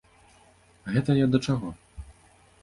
Гэта я да чаго?